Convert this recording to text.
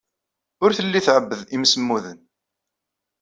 Ur telli tɛebbed imsemmuden.